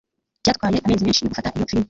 Byatwaye amezi menshi yo gufata iyo firime